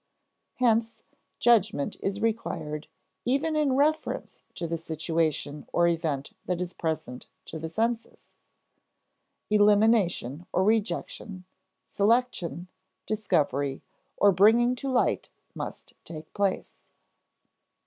Hence, judgment is required even in reference to the situation or event that is present to the senses; elimination or rejection, selection, discovery, or bringing to light must take place.